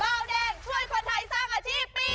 เบาแดงช่วยคนไทยสร้างอาชีพปี๒